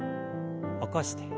起こして。